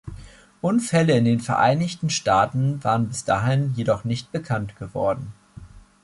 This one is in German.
Unfälle in den Vereinigten Staaten waren bis dahin jedoch nicht bekannt geworden.